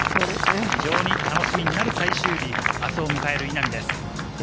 非常に楽しみになる明日を迎える稲見です。